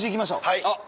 はい。